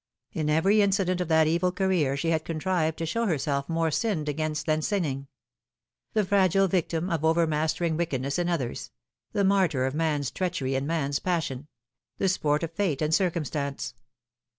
In every incident of that evil career she had contrived to show herself more sinned against than sinning ; the fragile victim of over mastering wickedness in others ; the martyr of man's treachery and man's passion ; the sport of fate and circumstance.